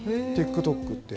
ＴｉｋＴｏｋって。